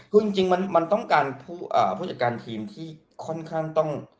คือจริงมันต้องการผู้จัดการทีมที่ค่อนข้างต้อง